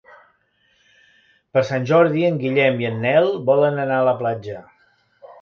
Per Sant Jordi en Guillem i en Nel volen anar a la platja.